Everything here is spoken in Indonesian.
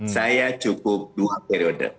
saya cukup dua periode